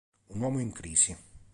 Un uomo in crisi.